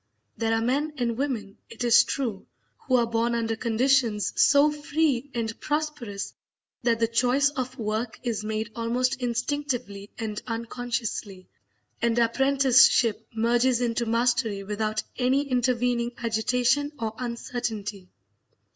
There are men and women, it is true, who are born under conditions so free and prosperous that the choice of work is made almost instinctively and unconsciously, and apprenticeship merges into mastery without any intervening agitation or uncertainty.